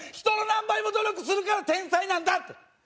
人の何倍も努力するから天才なんだって。